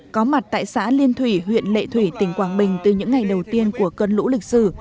có mặt tại xã liên thủy huyện lệ thủy tỉnh quảng bình từ những ngày đầu tiên của cơn lũ lịch sử